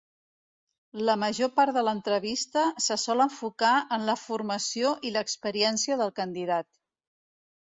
La major part de l'entrevista se sol enfocar en la formació i l'experiència del candidat.